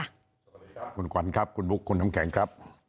สวัสดีครับคุณขวัญครับคุณบุ๊คคุณน้ำแข็งครับ